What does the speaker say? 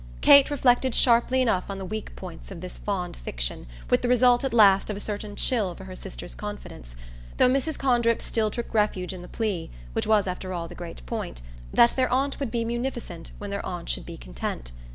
Kate reflected sharply enough on the weak points of this fond fiction, with the result at last of a certain chill for her sister's confidence; though Mrs. Condrip still took refuge in the plea which was after all the great point that their aunt would be munificent when their aunt should be content.